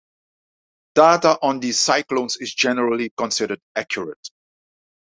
Data on these cyclones is generally considered accurate.